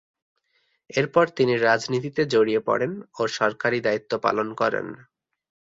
এরপর তিনি রাজনীতিতে জড়িয়ে পড়েন ও সরকারি দায়িত্ব পালন করেন।